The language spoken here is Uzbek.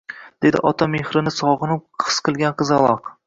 dedi ota mehrini sog`inib his qilgan qizaloq